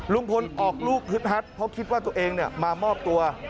ลุงพลออกลูกฮึดฮัดเพราะคิดว่าตัวเองมามอบตัว